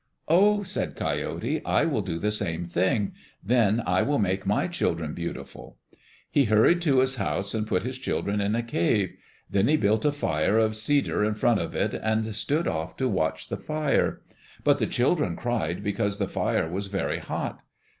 "Oh," said Coyote, "I will do the same thing. Then I will make my children beautiful." He hurried to his house and put his children in a cave. Then he built a fire of cedar in front of it and stood off to watch the fire. But the children cried because the fire was very hot.